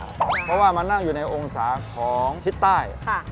เพราะว่ามานั่งอยู่ในองศาของทิศใต้